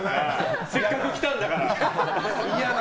せっかく来たんだから！